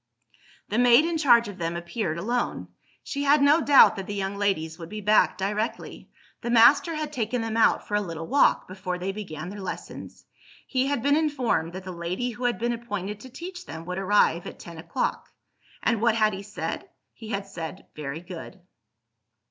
The maid in charge of them appeared alone. She had no doubt that the young ladies would be back directly. The master had taken them out for a little walk, before they began their lessons. He had been informed that the lady who had been appointed to teach them would arrive at ten o'clock. And what had he said? He had said, "Very good."